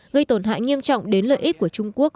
gây tổn hại nghiêm trọng đến lợi ích của trung quốc